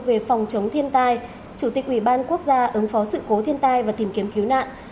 về phòng chống thiên tai chủ tịch ủy ban quốc gia ứng phó sự cố thiên tai và tìm kiếm cứu nạn